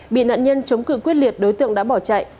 bị nạn nhân chống cử quyết liệt đối tượng đã bỏ chạy